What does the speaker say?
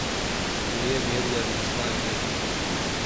Tu yê bêriya dibistanê nekî.